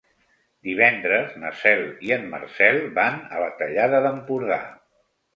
Divendres na Cel i en Marcel van a la Tallada d'Empordà.